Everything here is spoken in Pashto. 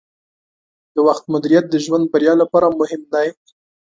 د وخت مدیریت د ژوند بریا لپاره مهم دی.